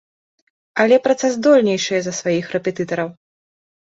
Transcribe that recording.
Але працаздольнейшыя за сваіх рэпетытараў.